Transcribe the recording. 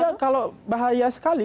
iya kalau bahaya sekali